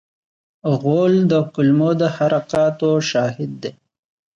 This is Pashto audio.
غول د کولمو د حرکاتو شاهد دی.